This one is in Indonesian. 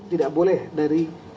tidak boleh dari